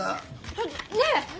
ちょっとねえ！